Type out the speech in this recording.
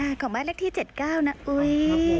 ค่ะของแม่เล็กที่๗๙นะอุ๊ย